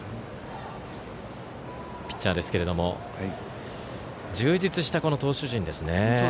ピッチャーですけども充実した投手陣ですね。